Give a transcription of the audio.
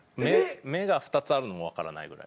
目が２つあるのも分からないぐらい。